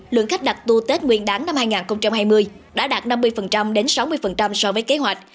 lượng khách đặt tour tết nguyên đáng năm hai nghìn hai mươi đã đạt năm mươi đến sáu mươi so với kế hoạch